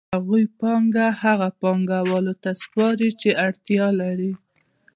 هغوی پانګه هغو پانګوالو ته سپاري چې اړتیا لري